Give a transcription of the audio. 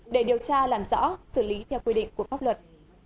để điều tra làm rõ xử lý theo quy định của pháp luật